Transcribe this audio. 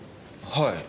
はい。